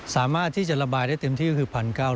สามารถที่จะระบายได้เต็มที่ก็คือ๑๙๐๐